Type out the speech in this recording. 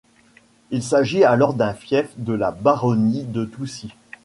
Il s'agit alors d'un fief de la baronnie de Toucy.